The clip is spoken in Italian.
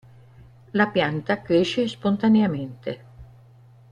La pianta cresce spontaneamente.